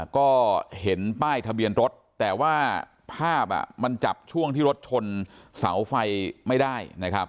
ก็เห็นป้ายทะเบียนรถแต่ว่าภาพมันจับช่วงที่รถชนเสาไฟไม่ได้นะครับ